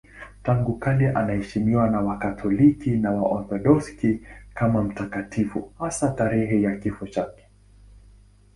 Tangu kale anaheshimiwa na Wakatoliki na Waorthodoksi kama mtakatifu, hasa tarehe ya kifo chake.